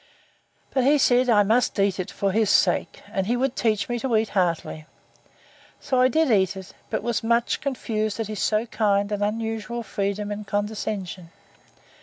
But he said, I must eat it for his sake, and he would teach me to eat heartily: So I did eat it; but was much confused at his so kind and unusual freedom and condescension.